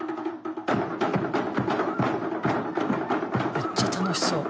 めっちゃ楽しそう。